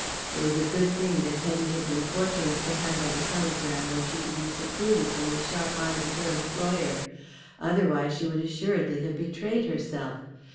It was a good thing that Hetty had been fortunate to handle the telegram where she could be secluded from the sharp eyes of her employer. Otherwise she would assuredly have betrayed herself.